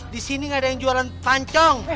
disini gak ada yang jualan pancong